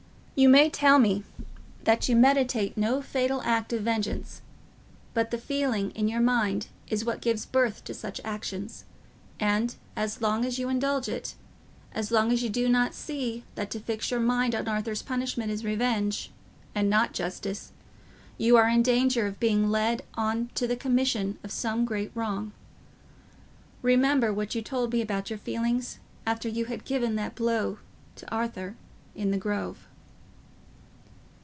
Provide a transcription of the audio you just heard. You may tell me that you meditate no fatal act of vengeance, but the feeling in your mind is what gives birth to such actions, and as long as you indulge it, as long as you do not see that to fix your mind on Arthur's punishment is revenge, and not justice, you are in danger of being led on to the commission of some great wrong. Remember what you told me about your feelings after you had given that blow to Arthur in the Grove."